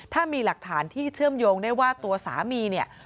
ถ้ามีหลักฐานที่เชื่อมโยงได้ว่าตัวสามีเนี่ย